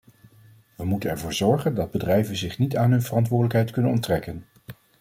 We moeten ervoor zorgen dat bedrijven zich niet aan hun verantwoordelijkheid kunnen onttrekken.